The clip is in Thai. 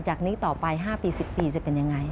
จากนี้ต่อไป๕ปี๑๐ปีจะเป็นยังไง